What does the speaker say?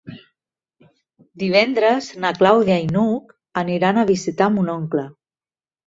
Divendres na Clàudia i n'Hug aniran a visitar mon oncle.